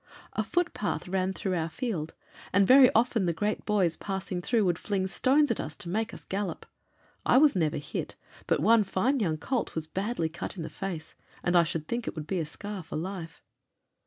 A footpath ran through our field, and very often the great boys passing through would fling stones to make us gallop. I was never hit, but one fine young colt was badly cut in the face, and I should think it would be a scar for life.